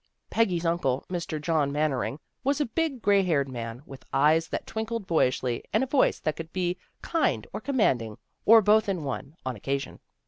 Peggy's uncle, Mr. John Mannering, was a big grey haired man, with eyes that twinkled boyishly, and a voice that could be kind or commanding or both in one, on occasion.